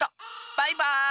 バイバーイ！